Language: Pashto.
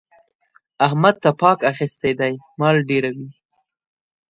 احمد تپاک اخيستی دی؛ مال ډېروي.